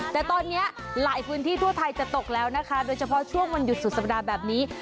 แต่ตอนนี้หลายพื้นที่ทั่วไทยจะตกแล้วนะคะโดยเฉพาะช่วงวันหยุดสุดสัปดาห์แบบนี้